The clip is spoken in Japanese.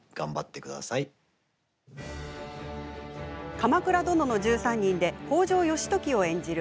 「鎌倉殿の１３人」で北条義時を演じる